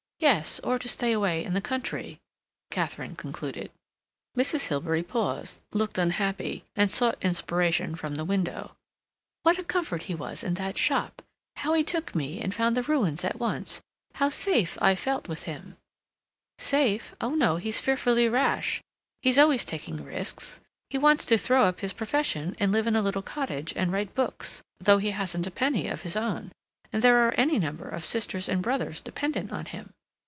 "Yes. Or to stay away in the country," Katharine concluded. Mrs. Hilbery paused, looked unhappy, and sought inspiration from the window. "What a comfort he was in that shop—how he took me and found the ruins at once—how safe I felt with him—" "Safe? Oh, no, he's fearfully rash—he's always taking risks. He wants to throw up his profession and live in a little cottage and write books, though he hasn't a penny of his own, and there are any number of sisters and brothers dependent on him."